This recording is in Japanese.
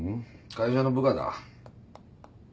会社の部下だ。